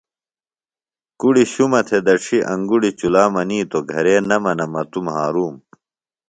کُڑیۡ شُمہ تھےۡ دڇھیۡ انگُڑیۡ چُلا منیتوۡ گھرے نہ منہ مہ توۡ مھارُوم